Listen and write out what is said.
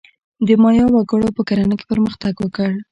د مایا وګړو په کرنه کې پرمختګ وکړ.